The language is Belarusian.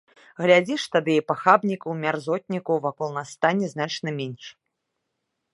Глядзіш, тады і пахабнікаў, мярзотнікаў вакол нас стане значна менш.